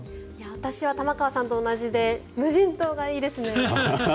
私は玉川さんと同じで無人島がいいですね。